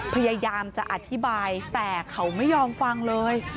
พยายามจะอธิบายแต่เขาไม่ยอมฟังเลย